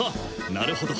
なるほど。